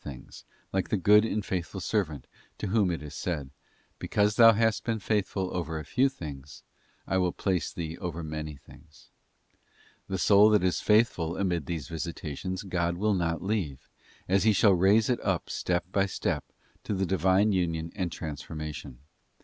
spook things, like the good and faithful servant to whom it is said, 'Because thou hast been faithful over a few things, I will place thee over many things.'* The soul that is faithful amid these visitations God will not leave, till He shall raise it upsstep by step, to the Divine union and transforma tion.